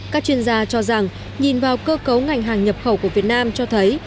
các chuyên gia cho rằng nhìn vào cơ cấu ngành hàng nhập khẩu của việt nam cho thấy